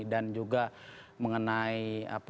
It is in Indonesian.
dan juga mengenai apa